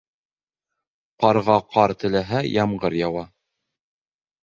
Ҡарға ҡар теләһә, ямғыр яуыр.